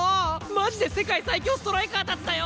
マジで世界最強ストライカーたちだよ！